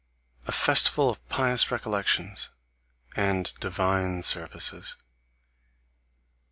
a festival of pious recollections and divine services.